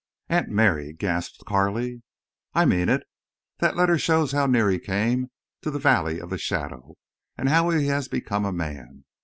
"Aunt Mary!" gasped Carley. "I mean it. That letter shows how near he came to the Valley of the Shadow—and how he has become a man....